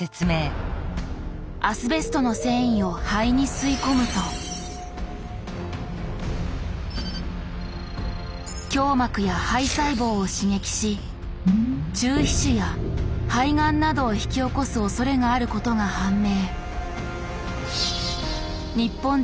アスベストの繊維を肺に吸い込むと胸膜や肺細胞を刺激し中皮腫や肺がんなどを引き起こすおそれがあることが判明。